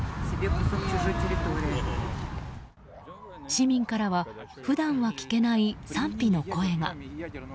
市民からは普段は聞けない賛否の声が。